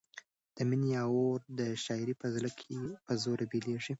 د مینې اور د شاعر په زړه کې په زور بلېږي.